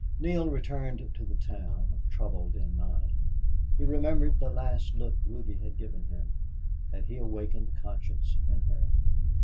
Neale returned to the town troubled in mind. He remembered the last look Ruby had given him. Had he awakened conscience in her?